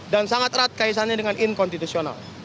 dan sangat erat kaitannya dengan inkonstitusional